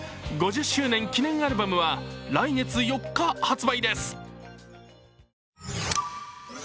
５０周年記念アルバムは来月４日発売です。